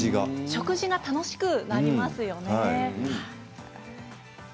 食事が楽しくなりますよね。